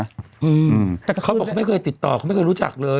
เขาบอกเขาไม่เคยติดต่อเขาไม่เคยรู้จักเลย